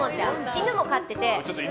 犬も飼ってて。